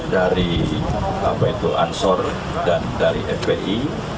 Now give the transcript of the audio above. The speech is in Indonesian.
dari ansor dan dari fpi